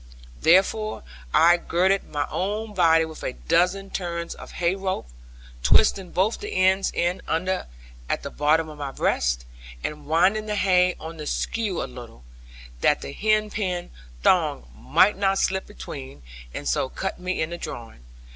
Therefore I girded my own body with a dozen turns of hay rope, twisting both the ends in under at the bottom of my breast, and winding the hay on the skew a little, that the hempen thong might not slip between, and so cut me in the drawing.